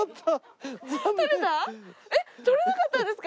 えっ撮れなかったんですか。